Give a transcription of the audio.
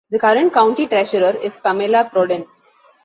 The current county treasurer is Pamela Prodan.